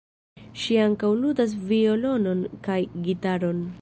Ŝi ankaŭ ludas violonon kaj gitaron.